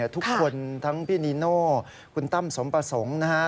ทุกคนทั้งพี่นีโน่คุณตั้มสมประสงค์นะฮะ